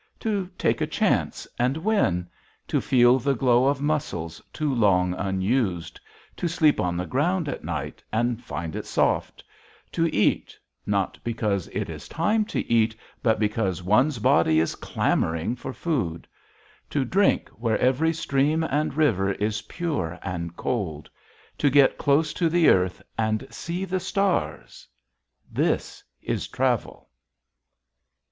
To take a chance, and win; to feel the glow of muscles too long unused; to sleep on the ground at night and find it soft; to eat, not because it is time to eat, but because one's body is clamoring for food; to drink where every stream and river is pure and cold; to get close to the earth and see the stars this is travel.